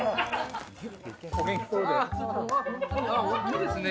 いいですね